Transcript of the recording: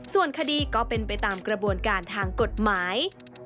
ส่วนคดีก็เป็นไปตามกระบวนการทางกฎหมาย